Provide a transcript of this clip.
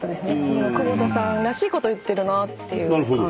久保田さんらしいこと言ってるなっていう感じで。